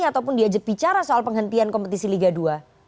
ataupun diajak bicara soal penghentian kompetisi liga dua